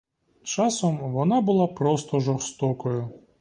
Часом вона була просто жорстокою.